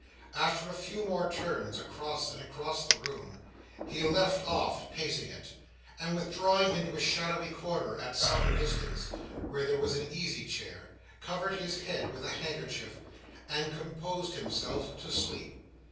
After a few more turns across and across the room, he left off pacing it; and withdrawing into a shadowy corner at some distance, where there was an easy chair, covered his head with a handkerchief, and composed himself to sleep.